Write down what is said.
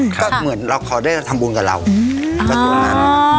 ก็เหมือนเราขอได้ทำบุญกับเรากระทรวงนั้น